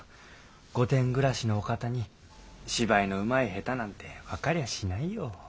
御殿暮らしのお方に芝居のうまい下手なんて分かりゃしないよ。